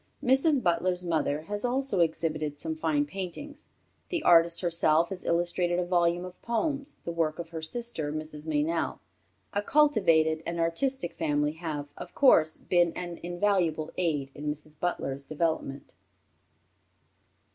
Mrs. Butler's mother has also exhibited some fine paintings. The artist herself has illustrated a volume of poems, the work of her sister, Mrs. Meynell. A cultivated and artistic family have, of course, been an invaluable aid in Mrs. Butler's development.